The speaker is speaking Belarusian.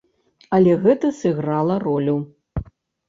Але гэта сыграла ролю.